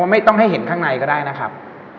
ไม่ต้องให้เห็นข้างในก็ได้นะครับ